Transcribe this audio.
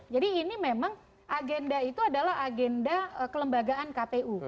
ini memang agenda itu adalah agenda kelembagaan kpu